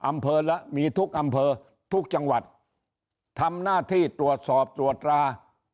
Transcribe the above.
อำเภอละมีทุกอำเภอทุกจังหวัดทำหน้าที่ตรวจสอบตรวจรา